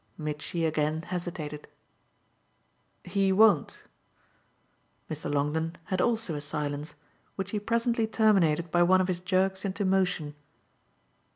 Mitchy again hesitated. "He won't." Mr. Longdon had also a silence, which he presently terminated by one of his jerks into motion.